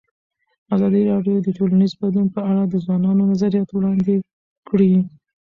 ازادي راډیو د ټولنیز بدلون په اړه د ځوانانو نظریات وړاندې کړي.